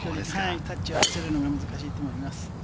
タッチを合わせるのが難しいと思います。